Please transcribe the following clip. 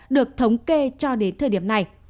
được thống kê cho đến thời điểm này